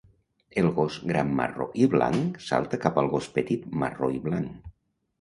El gos gran marró i blanc salta cap al gos petit marró i blanc.